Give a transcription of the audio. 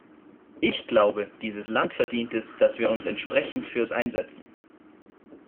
Ich glaube, dieses Land verdient es, dass wir uns entsprechend für es einsetzen.